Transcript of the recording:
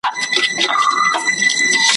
د فرعون په سر کي تل یوه سودا وه `